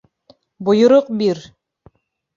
Бойороҡ бир!